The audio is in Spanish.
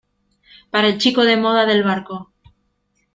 para el chico de moda del barco.